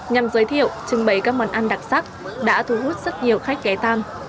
nhằm giới thiệu trưng bày các món ăn đặc sắc đã thu hút rất nhiều khách ghé tam